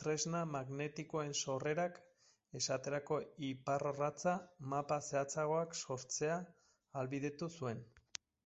Tresna magnetikoen sorrerak, esaterako iparrorratza, mapa zehatzagoak sortzea ahalbidetu zuen.